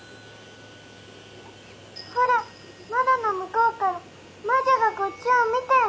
ほら窓の向こうから魔女がこっちを見てる！